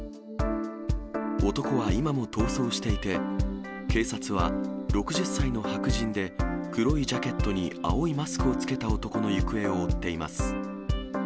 男は今も逃走していて、警察は６０歳の白人で黒いジャケットに青いマスクを着けた男の行方を追っています。